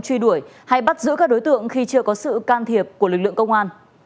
truy đuổi hay bắt giữ các đối tượng khi chưa có sự can thiệp của lực lượng công an